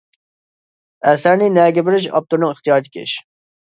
ئەسەرنى نەگە بېرىش ئاپتورنىڭ ئىختىيارىدىكى ئىش.